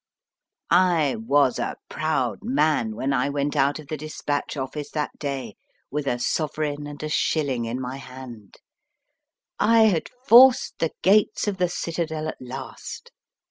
MR. SIMS S DINNER PARTY I was a proud man when I went out of the Dispatch office that day with a sovereign and a shilling in my hand. I had forced the gates of the citadel at last.